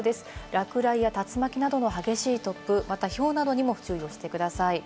落雷や竜巻などの激しい突風、また、ひょうなどにも注意をしてください。